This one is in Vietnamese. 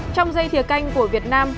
trong dây thịa canh của việt nam